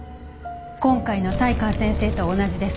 今回の才川先生と同じです。